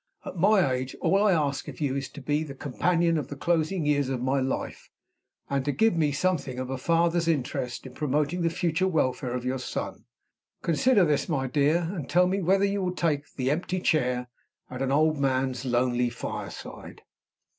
At my age, all I ask of you is to be the companion of the closing years of my life, and to give me something of a father's interest in promoting the future welfare of your son. Consider this, my dear, and tell me whether you will take the empty chair at an old man's lonely fireside."